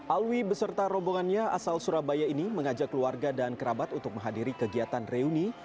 alwi beserta rombongannya asal surabaya ini mengajak keluarga dan kerabat untuk menghadiri kegiatan reuni